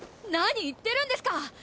何言ってるんですか！